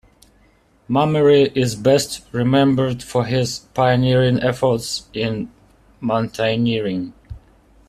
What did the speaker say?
Mummery is best remembered for his pioneering efforts in mountaineering.